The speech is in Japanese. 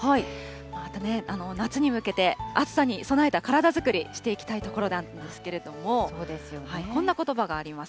また夏に向けて、暑さに備えた体作り、していきたいところなんですけれども、こんなことばがあります。